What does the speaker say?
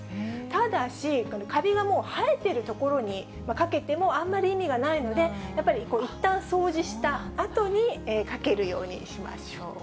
ただし、かびがもう生えてる所にかけてもあんまり意味がないので、やっぱり、いったん掃除したあとにかけるようにしましょう。